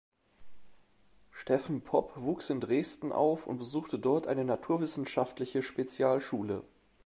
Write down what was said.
Steffen Popp wuchs in Dresden auf und besuchte dort eine naturwissenschaftliche Spezialschule.